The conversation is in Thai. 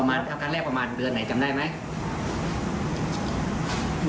ทำการเล่นประมาณเดือนไหนจำได้ไหม